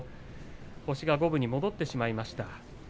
星が五分に戻ってしまいました。